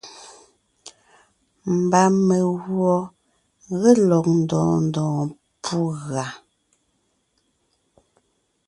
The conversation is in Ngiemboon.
Mba meguɔ ge lɔg ndɔɔn ndɔɔn pú gʉa.